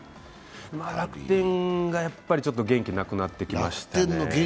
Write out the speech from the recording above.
楽天がやっぱりちょっと元気なくなってきましたね。